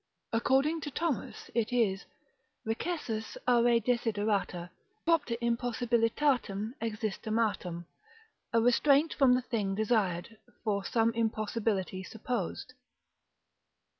According to Thomas 2. 2ae. distinct. 40. art. 4. it is Recessus a re desiderata, propter impossibilitatem existimatam, a restraint from the thing desired, for some impossibility supposed.